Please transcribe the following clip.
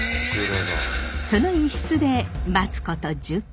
その一室で待つこと１０分。